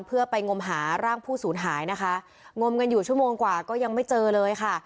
เพื่อไปงมหาร่างผู้สูญหายนะคะงมกันอยู่ชั่วโมงกว่าก็ยังไม่เจอเลยค่ะ